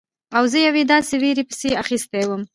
او زه یوې داسې ویرې پسې اخیستی وم.